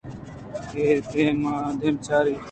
اے دیم ءُ آ دیم چاراِت